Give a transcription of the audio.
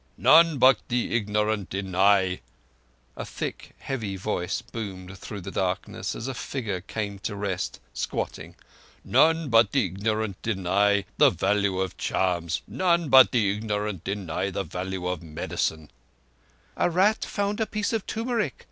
"None but the ignorant deny"—a thick, heavy voice boomed through the darkness, as a figure came to rest squatting—"None but the ignorant deny the value of charms. None but the ignorant deny the value of medicines." "A rat found a piece of turmeric.